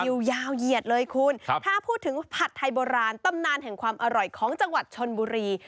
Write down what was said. อยู่ยาวเหยียดเลยคุณถ้าพูดถึงผัดไทยโบราณตำนานแห่งความอร่อยของจังหวัดชนบุรี